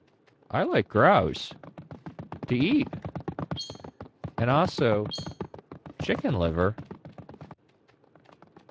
I like grouse. To eat. And also. Chicken liver.